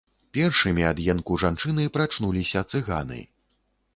Першымі ад енку жанчыны прачнуліся цыганы.